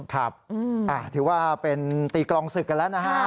ครับถือว่าเป็นตีกลองศึกกันแล้วนะฮะ